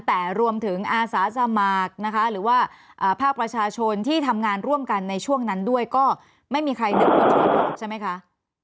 แต่รวมถึงอาสาสมัครนะคะหรือว่าภาคประชาชนที่ทำงานร่วมกันในช่วงนั้นด้วยก็ไม่มีใครนึกว่าตรวจสอบใช่ไหมคะ